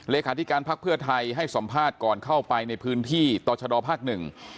เลขาธิการภักดิ์เพื่อไทยให้สำพาสก่อนเข้าไปในพื้นที่ตบอสภหนึ่ง